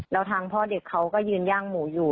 แล้วทางพ่อเด็กเขาก็ยืนย่างหมูอยู่